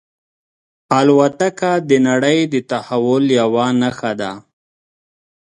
الوتکه د نړۍ د تحول یوه نښه ده.